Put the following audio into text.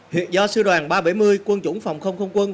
hiện do sư đoàn ba trăm bảy mươi quân chủng phòng không không quân